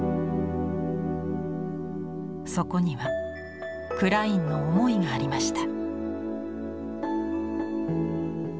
そこにはクラインの思いがありました。